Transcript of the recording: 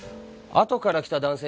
あとから来た男性？